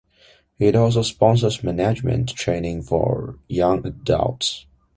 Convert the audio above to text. It also sponsors management training for young adults.